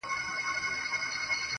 ستا د ښکلا په تصور کي یې تصویر ویده دی.